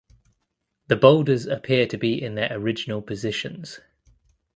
The boulders appear to be in their original positions.